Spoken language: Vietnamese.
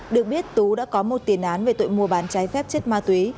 được biết tú đã có một tiền án về tội mua bán trái phép chất ma túy